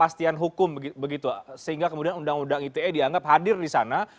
sehingga kemudian undang undang ite dianggap hadir disana